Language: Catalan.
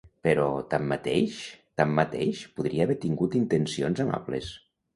Però tanmateix, tanmateix, podria haver tingut intencions amables.